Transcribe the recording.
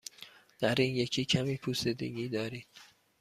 در این یکی کمی پوسیدگی دارید.